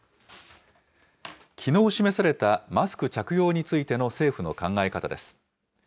きのう示された、マスク着用についての政府の考え方です。